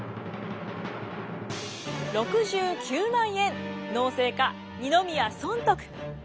６９万円農政家二宮尊徳。